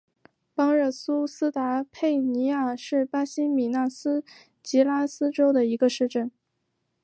邦热苏斯达佩尼亚是巴西米纳斯吉拉斯州的一个市镇。